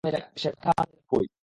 সে কথা আমি রাখবোই!